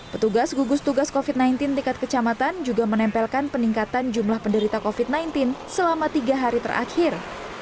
petugas gugus tugas covid sembilan belas dekat kecamatan juga menempelkan peningkatan jumlah penderita covid sembilan belas selama tiga hari terakhir